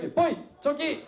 チョキ！